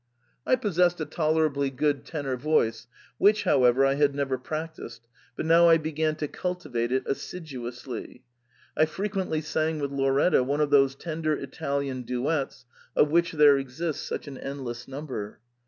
I possessed a tolerably good tenor voice, which, however, I had never prac tised, but now I began to cultivate it assiduously. I frequently sang with Lauretta one of those tender Italian duets of which there exists such an endless number.